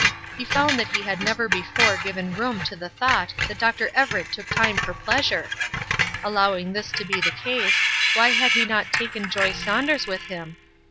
He found that he had never before given room to the thought that Dr. Everett took time for pleasure! Allowing this to be the case, why had he not taken Joy Saunders with him?